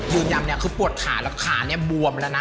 ยืนยันเนี่ยคือปวดขาแล้วขาเนี่ยบวมแล้วนะ